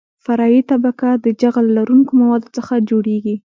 فرعي طبقه د جغل لرونکو موادو څخه جوړیږي